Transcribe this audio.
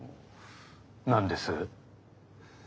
何です？